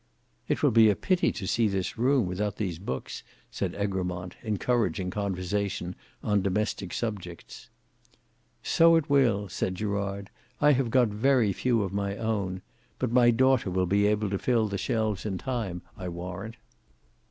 "It will be a pity to see this room without these books," said Egremont, encouraging conversation on domestic subjects. "So it will," said Gerard. "I have got very few of my own. But my daughter will be able to fill the shelves in time, I warrant."